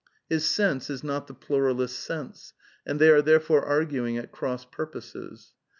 His sense is not the pluralist's sense, and they are therefore arguing at cross purposes.